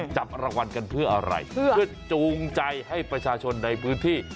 จับรางวัลกันเพื่ออะไรเพื่อจูงใจให้ประชาชนในพื้นที่